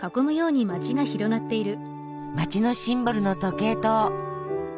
街のシンボルの時計塔。